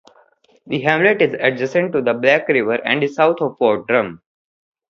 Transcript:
The hamlet is adjacent to the Black River and is south of Fort Drum.